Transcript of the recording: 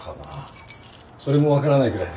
それも分からないぐらいです。